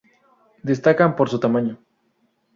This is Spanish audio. Destacan por su tamaño.